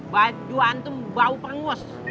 baju antum bau perngos